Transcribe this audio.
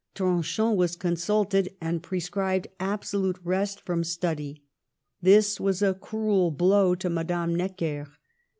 Tronchin was consult ed, and prescribed absolute rest from study. This was a cruel blow to Madame Necker.